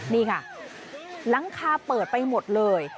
นี่ค่ะหลังคาเปิดไปหมดเลย